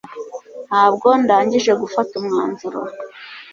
ntabwo ndangije gufata umwanzuro